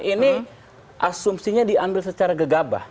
ini asumsinya diambil secara gegabah